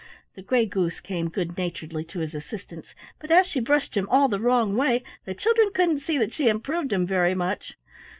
The Gray Goose came good naturedly to his assistance, but as she brushed him all the wrong way, the children couldn't see that she improved him very much.